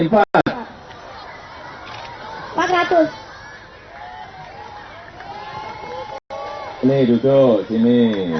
ini duduk sini